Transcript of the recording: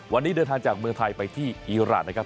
วันนี้เดินทางจากเมืองไทยไปที่อีรานนะครับ